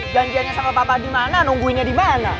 janjiannya sama papa dimana nungguinnya dimana